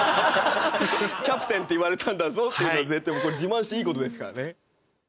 キャプテンって言われたんだぞっていうのはこれ自慢していい事ですからね。